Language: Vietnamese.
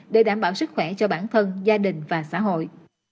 để đảm bảo sức khỏe cho bản thân gia đình và xã hội